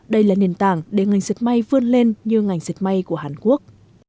đây là nền tảng để ngành dệt may vươn lên như ngành dệt may của hàn quốc